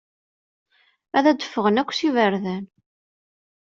Ad d-ffɣen akk s iberdan.